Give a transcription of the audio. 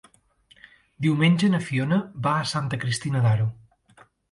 Diumenge na Fiona va a Santa Cristina d'Aro.